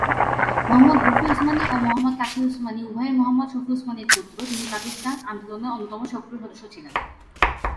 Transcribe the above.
মুহাম্মদ রফি উসমানি ও মুহাম্মদ তাকি উসমানি উভয়েই মুহাম্মদ শফি উসমানির পুত্র, যিনি পাকিস্তান আন্দোলনের অন্যতম সক্রিয় সদস্য ছিলেন।